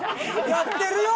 やってるよ！